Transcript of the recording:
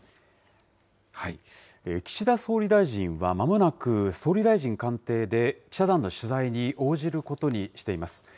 岸田総理大臣は、まもなく総理大臣官邸で記者団の取材に応じることにしています。